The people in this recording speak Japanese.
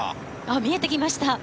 見えてきました。